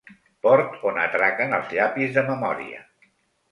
Port on atraquen els llapis de memòria.